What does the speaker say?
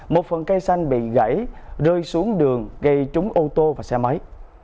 một phần cây xanh bị gãy rơi xuống đường gây trúng ô tô và xe máy